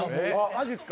マジすか？